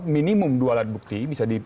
minimum dua alat bukti bisa di